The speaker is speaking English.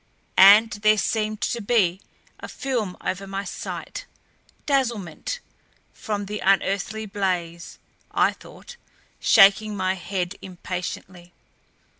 And there seemed to be a film over my sight; dazzlement from the unearthly blaze, I thought, shaking my head impatiently.